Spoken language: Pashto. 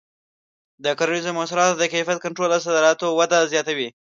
د کرنیزو محصولاتو د کیفیت کنټرول د صادراتو وده زیاتوي.